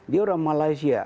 dia orang malaysia